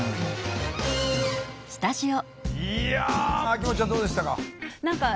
秋元ちゃんどうでしたか？